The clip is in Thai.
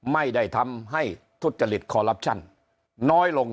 ไม่ได้ทำให้ทุจริตคอลลับชั่นน้อยลง